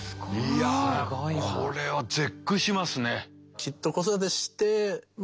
いやこれは絶句しますね。